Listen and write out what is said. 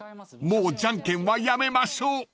［もうじゃんけんはやめましょう］